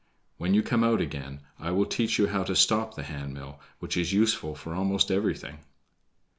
When you come out again I will teach you how to stop the hand mill, which is useful for almost everything."